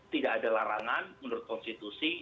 tidak ada larangan menurut konstitusi